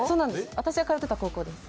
私が通ってた高校です。